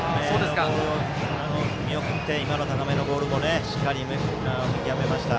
ボールを見送って今の高めのボールもしっかり見極めました。